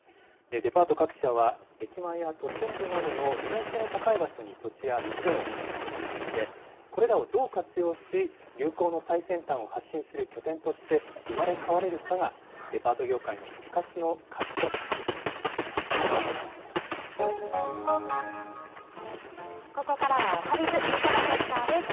デパート各社は、駅前や都心部などの利便性の高い場所に土地や店を持っていまして、これらをどう活用し、流行の最先端を発信する拠点として生まれ変われるかが、デパート業界の復活の鍵といえそうです。